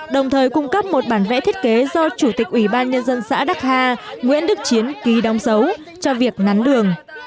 đồng thời cung cấp một bản vẽ thiết kế do chủ tịch ủy ban nhân dân xã đắc hà nguyễn đức chiến ký đóng dấu cho việc nắn đường